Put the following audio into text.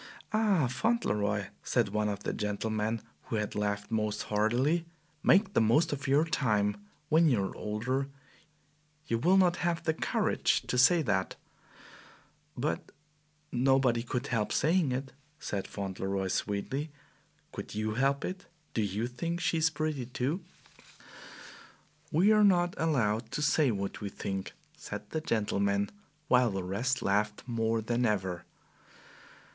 "Ah, Fauntleroy," said one of the gentlemen who had laughed most heartily, "make the most of your time! When you are older you will not have the courage to say that." "But nobody could help saying it," said Fauntleroy sweetly. "Could you help it? Don't YOU think she is pretty, too?" "We are not allowed to say what we think," said the gentleman, while the rest laughed more than ever.